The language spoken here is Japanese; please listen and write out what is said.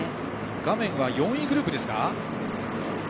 画面は４位グループですか。